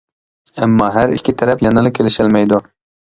ئەمما، ھەر ئىككى تەرەپ يەنىلا كېلىشەلمەيدۇ.